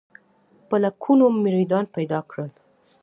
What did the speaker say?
په لکونو مریدان پیدا کړل.